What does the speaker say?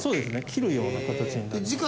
切るような形になりますね。